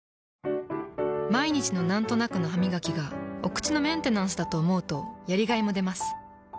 毎日のなんとなくのハミガキがお口のメンテナンスだと思うとやりがいもでます。